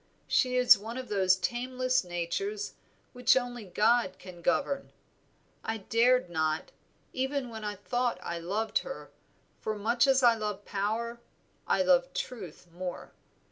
She is one of those tameless natures which only God can govern; I dared not, even when I thought I loved her, for much as I love power I love truth more.